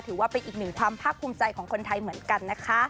ถือว่าเป็นอีกหนึ่งความภาคภูมิใจของคนไทยเหมือนกันนะคะ